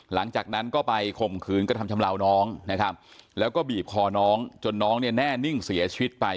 หลังจากนั้นก็ไปข่มขืนกระทำชำลาวน้องนะครับแล้วก็บีบคอน้องจนน้องเนี่ยแน่นิ่งเสียชีวิตไป